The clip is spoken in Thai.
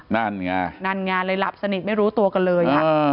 นั่นไงนั่นไงเลยหลับสนิทไม่รู้ตัวกันเลย